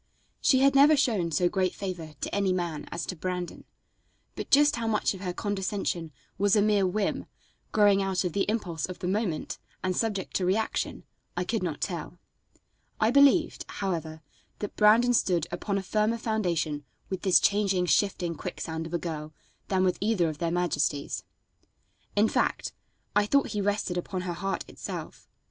She had never shown so great favor to any man as to Brandon, but just how much of her condescension was a mere whim, growing out of the impulse of the moment, and subject to reaction, I could not tell. I believed, however, that Brandon stood upon a firmer foundation with this changing, shifting, quicksand of a girl than with either of their majesties. In fact, I thought he rested upon her heart itself.